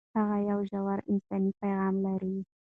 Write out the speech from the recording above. هغه یو ژور انساني پیغام لري.